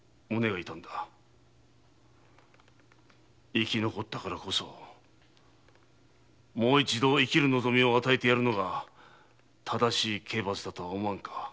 生き残ったからこそもう一度生きる望みを与えてやるのが正しい刑罰だとは思わんか。